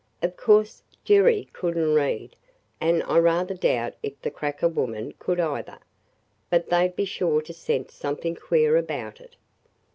Of course, Jerry could n't read, and I rather doubt if the cracker woman could either, but they 'd be sure to scent something queer about it."